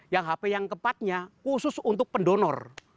yang hp yang keempatnya khusus untuk pendonor